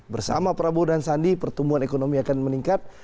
bersama prabowo dan sandi pertumbuhan ekonomi akan meningkat